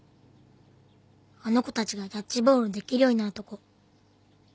あの子たちがキャッチボールできるようになるとこ。